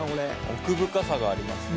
奥深さがありますね。